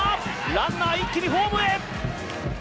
ランナー一気にホームへ！